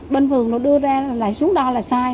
bên phường nó đưa ra lại xuống đo là sai